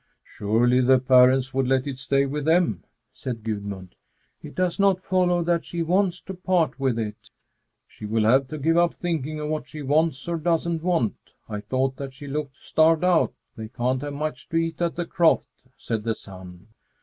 "Surely the parents would let it stay with them?" said Gudmund. "It does not follow that she wants to part with it." "She will have to give up thinking of what she wants or doesn't want. I thought that she looked starved out. They can't have much to eat at the croft," said the son.